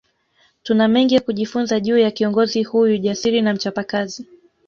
Tuna mengi ya kujifunza juu ya kiongozi huyu jasiri na mchapakazi